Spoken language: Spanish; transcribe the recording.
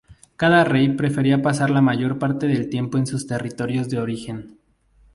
Cada rey prefería pasar la mayor parte del tiempo en sus territorios de origen.